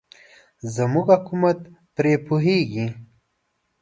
زموږ حکومت پرې پوهېږي.